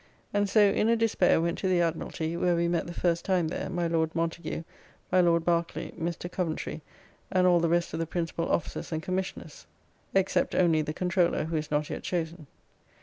And so in a despair went to the Admiralty, where we met the first time there, my Lord Montagu, my Lord Barkley, Mr. Coventry, and all the rest of the principal Officers and Commissioners, [except] only the Controller, who is not yet chosen.